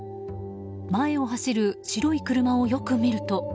前を走る白い車をよく見ると。